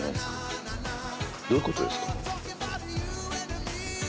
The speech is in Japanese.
どういうことですか？